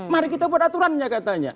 mari kita buat aturannya katanya